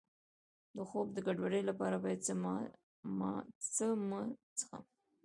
د خوب د ګډوډۍ لپاره باید څه مه څښم؟